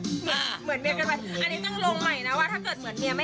ดูท่าทางฝ่ายภรรยาหลวงประธานบริษัทจะมีความสุขที่สุดเลยนะเนี่ย